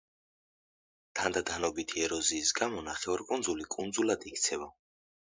თანდათანობითი ეროზიის გამო ნახევარკუნძული კუნძულად იქცევა.